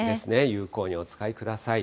有効にお使いください。